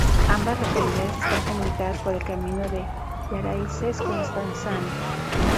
Ambas localidades están comunicadas por el camino de Jaraices-Constanzana.